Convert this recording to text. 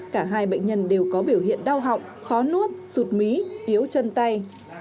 cả hai bệnh nhân đều có biểu hiện đau họng khó nuốc sụt mí yếu chân tay